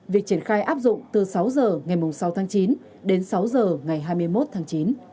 việc triển khai áp dụng từ sáu h ngày sáu tháng chín đến sáu h ngày hai mươi một tháng chín